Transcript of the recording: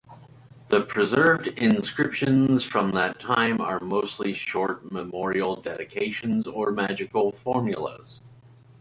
The preserved inscriptions from that time are mostly short memorial dedications or magical formulas.